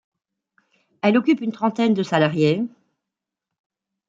Elle occupe une trentaine de salariés.